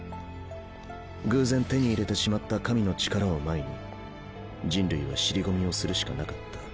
偶然手に入れてしまった神の力を前に人類は尻込みをするしかなかった。